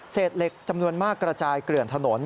เหล็กจำนวนมากกระจายเกลื่อนถนน